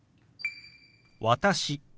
「私」。